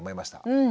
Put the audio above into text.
うん。